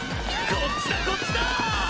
こっちだこっちだ！